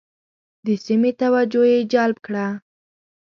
د سیمې توجه یې جلب کړه.